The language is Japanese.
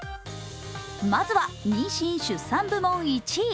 まずは妊娠・出産部門１位。